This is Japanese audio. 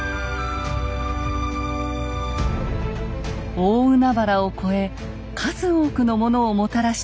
大海原を越え数多くのものをもたらした遣唐使。